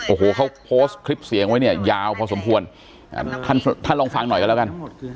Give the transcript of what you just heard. โอ้โหเขาโพสต์คลิปเสียงไว้เนี่ยยาวพอสมควรท่านท่านลองฟังหน่อยกันแล้วกัน